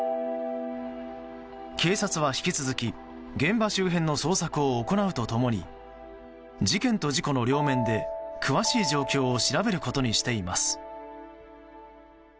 警察は引き続き現場周辺の捜索を行うと共に事件と事故の両面で詳しい状況を調べることにしています。